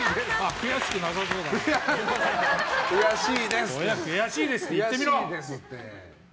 悔しいですって言ってみろ！